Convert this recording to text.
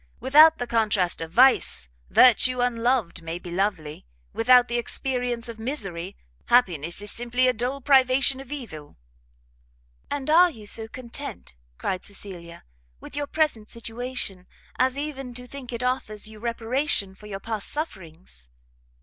Without the contrast of vice, virtue unloved may be lovely; without the experience of misery, happiness is simply a dull privation of evil." "And are you so content," cried Cecilia, "with your present situation, as even to think it offers you reparation for your past sufferings?"